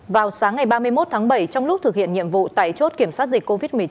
vào sáng ngày ba mươi một tháng bảy trong lúc thực hiện nhiệm vụ tại chốt kiểm soát dịch covid một mươi chín